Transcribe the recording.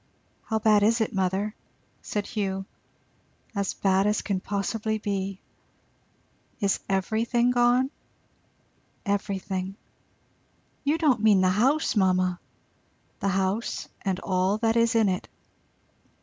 "How bad is it, mother?" said Hugh. "As bad as can possibly be." "Is everything gone?" "Everything." "You don't mean the house, mamma?" "The house, and all that is in it."